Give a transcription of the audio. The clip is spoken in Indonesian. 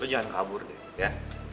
jangan kabur deh ya